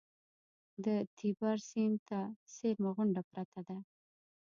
د تیبر سیند ته څېرمه غونډه پرته ده.